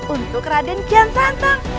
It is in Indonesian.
untuk raden kian santang